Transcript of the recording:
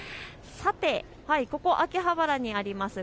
ここ秋葉原にあります